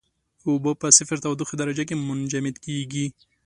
اوبه په صفر تودوخې درجه کې منجمد کیږي.